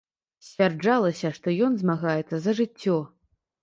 Сцвярджалася, што ён змагаецца за жыццё.